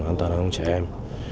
an toàn đa thông trẻ em